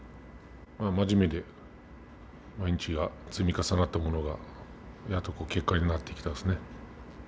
真面目で毎日積み重なったものが結果になってきたんですね。